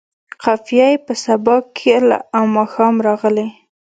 قافیه یې په سبا، کله او ماښام راغلې.